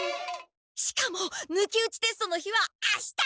しかも抜き打ちテストの日はあしただ！